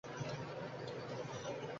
মিচেলকে খুনের কথা তো স্বীকার করলোই।